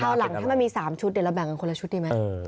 หลังถ้ามันมี๓ชุดเดี๋ยวเราแบ่งกันคนละชุดดีไหม